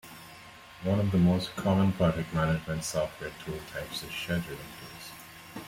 One of the most common project management software tool types is scheduling tools.